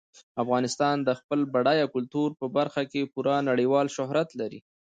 افغانستان د خپل بډایه کلتور په برخه کې پوره نړیوال شهرت لري.